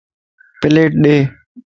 پليٽ ڏي